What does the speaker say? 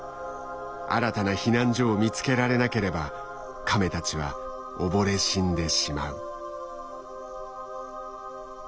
新たな避難所を見つけられなければカメたちは溺れ死んでしまう。